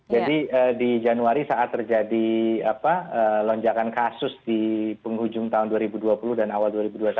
jadi di januari saat terjadi lonjakan kasus di penghujung tahun dua ribu dua puluh dan awal dua ribu dua puluh satu